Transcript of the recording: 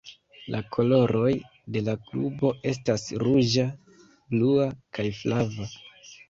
La koloroj de la klubo estas ruĝa, blua, kaj flava.